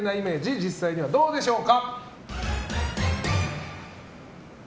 実際にはどうでしょうか。